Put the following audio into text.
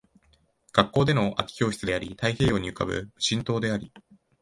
学校での空き教室であり、太平洋に浮ぶ無人島であり